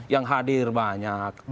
yang hadir banyak